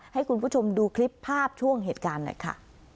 ให้คุณผู้ชมดูคลิปภาพช่วงเหตุการณ์หน่อยค่ะ